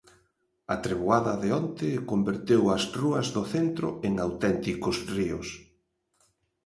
A treboada de onte converteu as rúas do centro en auténticos ríos.